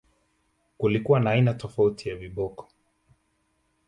Kulikuwa na aina tofauti ya viboko